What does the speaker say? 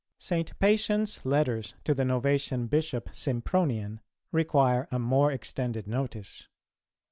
St. Pacian's letters to the Novatian Bishop Sympronian require a more extended notice.